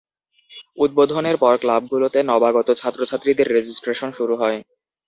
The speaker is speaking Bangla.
উদ্বোধনের পর ক্লাবগুলোতে নবাগত ছাত্রছাত্রীদের রেজিস্ট্রেশন শুরু হয়।